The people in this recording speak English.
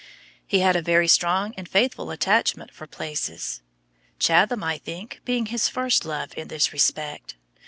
He had a very strong and faithful attachment for places: Chatham, I think, being his first love in this respect.